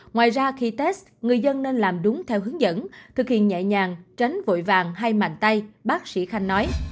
ngoài ra khi test người dân nên làm đúng theo hướng dẫn thực hiện nhẹ nhàng tránh vội vàng hay mạnh tay bác sĩ khanh nói